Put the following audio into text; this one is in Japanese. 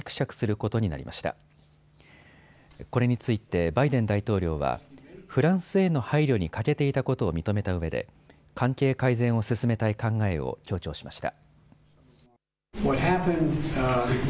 これについてバイデン大統領はフランスへの配慮に欠けていたことを認めたうえで関係改善を進めたい考えを強調しました。